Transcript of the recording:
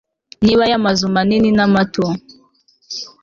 Niba aya mazu manini na mato